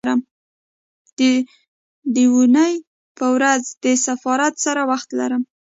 د دونۍ په ورځ د سفارت سره وخت لرم